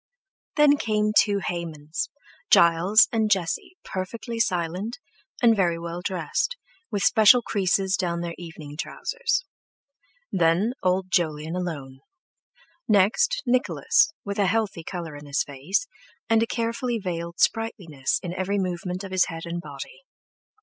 Then came two Haymans—Giles and Jesse perfectly silent, and very well dressed, with special creases down their evening trousers. Then old Jolyon alone. Next, Nicholas, with a healthy colour in his face, and a carefully veiled sprightliness in every movement of his head and body.